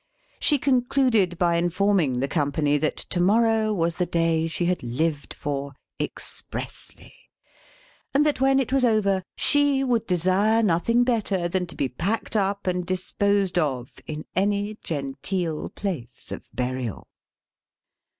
She concluded by informing the company that to morrow was the day she had lived for, expressly; and that when it was over, she would desire nothing better than to be packed up and disposed of, in any genteel place of burial.